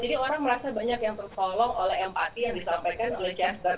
jadi orang merasa banyak yang tertolong oleh empati yang disampaikan oleh chester